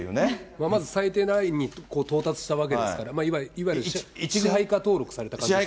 まず最低ラインに到達したわけですから、今いわゆる、支配下登録された感じですよね。